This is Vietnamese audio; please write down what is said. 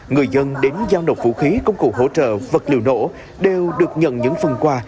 người dân đến giao nộp vũ khí công cụ hỗ trợ vật liệu nổ đều được nhận những phần quà